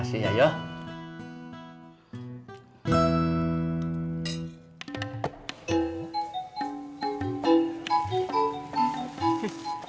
masak siang makan siang